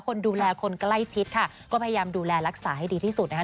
คนดูแลคนใกล้ชิดค่ะก็พยายามดูแลรักษาให้ดีที่สุดนะคะ